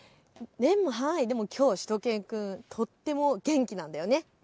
でもきょうしゅと犬くんとっても元気なんだよね。